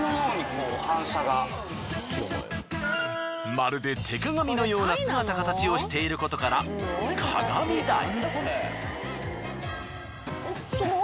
まるで手鏡のような姿形をしていることからカガミダイ。